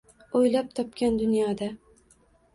O’ylab topgan dunyoda.